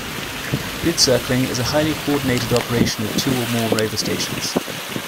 Grid circling is a highly coordinated operation of two or more rover stations.